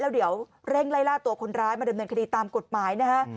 แล้วเดี๋ยวเร่งไล่ล่าตัวคนร้ายมาดำเนินคดีตามกฎหมายนะฮะ